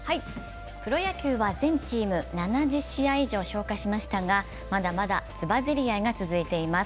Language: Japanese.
プロ野球は全チーム７０試合以上消化しましたがまだまだ、つば競り合いが続いています。